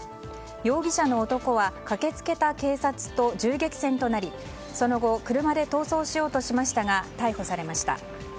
容疑者の男は駆け付けた警察と銃撃戦となりその後、車で逃走しようとしましたが逮捕されました。